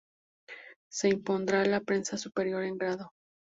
Se impondrá la pena superior en grado.